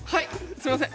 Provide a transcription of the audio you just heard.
すいません！